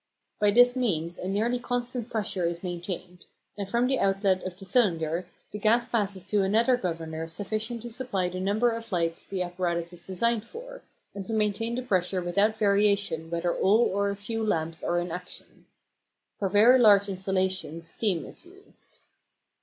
By this means a nearly constant pressure is maintained; and from the outlet of the cylinder the gas passes to another governor sufficient to supply the number of lights the apparatus is designed for, and to maintain the pressure without variation whether all or a few lamps are in action. For very large installations steam is used.